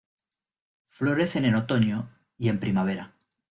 Florecen en otoño y en primavera.